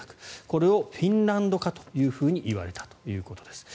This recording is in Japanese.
これをフィンランド化といわれたということです。